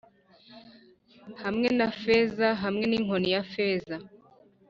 hamwe na fez hamwe ninkoni ya feza.